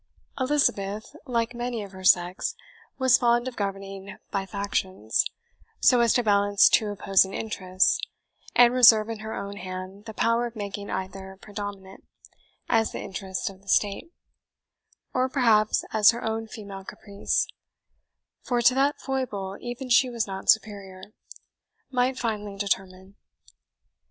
Elizabeth, like many of her sex, was fond of governing by factions, so as to balance two opposing interests, and reserve in her own hand the power of making either predominate, as the interest of the state, or perhaps as her own female caprice (for to that foible even she was not superior), might finally determine.